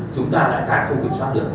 chúng ta là cả không kiểm soát được